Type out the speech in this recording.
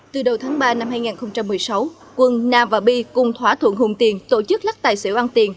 từ đầu tháng ba năm hai nghìn một mươi sáu quân nam và bi cùng thỏa thuận hùng tiền tổ chức lắc tài xỉu ăn tiền